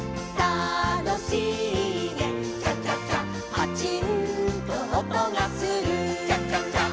「パチンと音がする」「チャチャチャ」